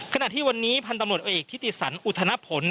ขณะที่วันนี้พันธุ์ตำรวจเอกทิติสันอุทธนพล